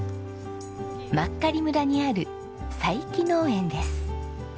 真狩村にある佐伯農園です。